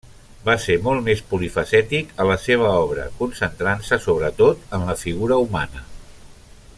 Va ser molt més polifacètic a la seva obra, concentrant-se sobretot en la figura humana.